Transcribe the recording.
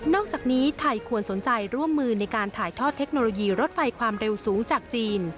จากนี้ไทยควรสนใจร่วมมือในการถ่ายทอดเทคโนโลยีรถไฟความเร็วสูงจากจีน